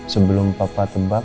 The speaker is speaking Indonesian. sebelum papa tebak